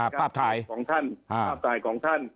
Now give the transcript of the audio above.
ภาพถ่ายของท่านภาพถ่ายของท่าน